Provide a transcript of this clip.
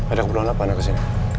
ada keberanian apa anda kesini